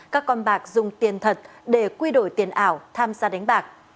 các con bạc dùng tiền thật để quy đổi tiền ảo tham gia đánh bạc